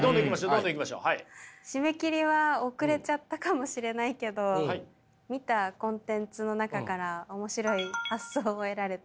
締め切りは遅れちゃったかもしれないけど見たコンテンツの中から面白い発想を得られた。